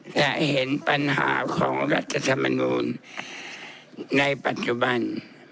จะเห็นปัญหาของรัฐธรรมนูลในปัจจุบัน